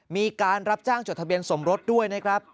มีการรับจ้างจดทะเบียนสมรสด้วยนะครับ